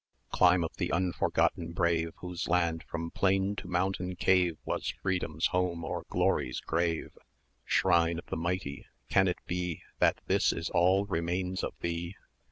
Clime of the unforgotten brave! Whose land from plain to mountain cave Was Freedom's home or Glory's grave! Shrine of the mighty! can it be,[cl] That this is all remains of thee?